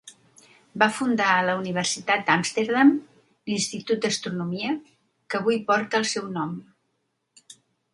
Va fundar a la Universitat d'Amsterdam, l'Institut d'Astronomia, que avui porta el seu nom.